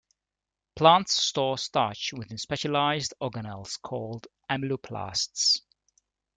Plants store starch within specialized organelles called amyloplasts.